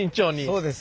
そうです。